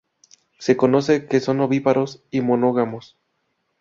Se conoce que son ovíparos y monógamos.